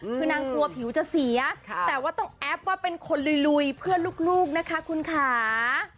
คือนางกลัวผิวจะเสียแต่ว่าต้องแอปว่าเป็นคนลุยเพื่อนลูกนะคะคุณค่ะ